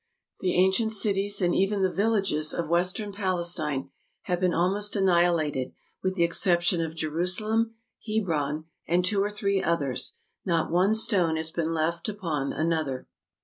The ancient cities, and even the villages, of Western Palestine have been almost annihilated ; with the exception of Jerusalem, Hebron, and two or three others, not one stone has been left upon another.